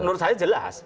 menurut saya jelas